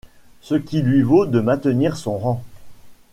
Ce qui lui vaut de maintenir son rang.